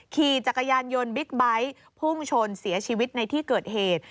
ขี่จักรยานยนต์บิ๊กไบท์พุ่งชนเสียชีวิตในที่เกิดเหตุ